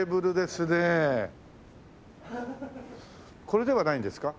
これではないんですか？